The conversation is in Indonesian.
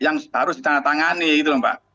yang harus ditandatangani gitu loh mbak